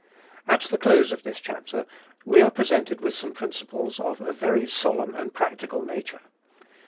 At the close of this chapter we are presented with some principles of a very solemn and practical nature.